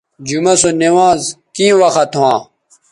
جمعہ سو نوانز کیں وخت ھاں